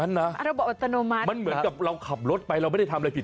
ระบบอัตโนมัติมันเหมือนกับเราขับรถไปเราไม่ได้ทำอะไรผิด